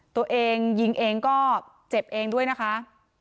ตัวเองยิงเองก็เจ็บเองด้วยนะคะ